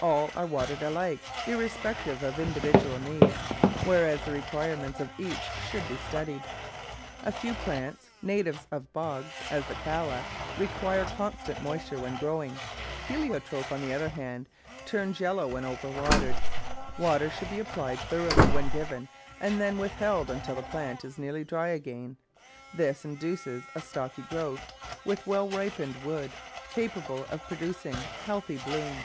All are watered alike, irrespective of individual need, whereas the requirements of each should be studied. A few plants, natives of bogs — as the Calla — require con stant moisture when growing. Heliotrope, on the other hand, turns yellow when over watered. Water should be applied thoroughly when given and then withheld until the plant is nearly dry again. This in duces a stocky growth, with well ripened wood, capable of producing healthy bloom.